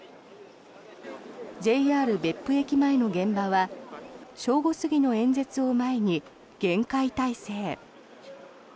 ＪＲ別府駅前の現場は正午過ぎの演説を前に厳戒態勢。